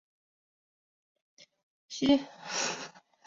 和英雄独眼龙及反派火神是手足关系。